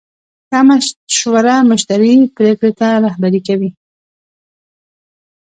ښه مشوره مشتری پرېکړې ته رهبري کوي.